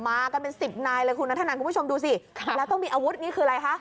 มากันเป็นสิบนายเลยคุณนัทธนันคุณผู้ชมดูสิครับแล้วต้องมีอาวุธนี่คืออะไรคะ